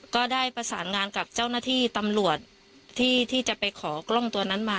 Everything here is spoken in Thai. ก็ได้ประสานงานกับเจ้าหน้าที่ตำรวจที่จะไปขอกล้องตัวนั้นมา